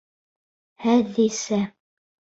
Хәҙисә.